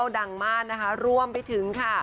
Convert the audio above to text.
ดังมากนะคะรวมไปถึงค่ะ